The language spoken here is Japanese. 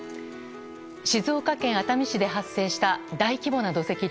静岡県熱海市で発生した大規模な土石流。